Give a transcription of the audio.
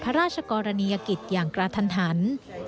พระราชกรณียกิจอย่างกระทันหัน